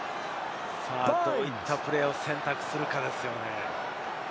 どういったプレーを選択するかですよね。